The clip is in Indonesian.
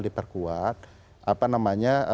diperkuat apa namanya